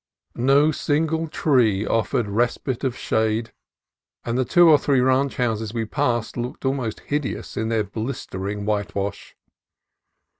No single tree of fered respite of shade, and the two or three ranch houses we passed looked almost hideous in their blistering whitewash.